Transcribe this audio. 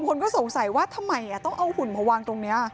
คนก็สงสัยว่าทำไมต้องเอาหุ่นมาวางตรงนี้